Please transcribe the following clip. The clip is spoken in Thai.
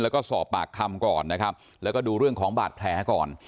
แล้วก็สอบปากคำก่อนนะครับแล้วก็ดูเรื่องของบาดแผลก่อน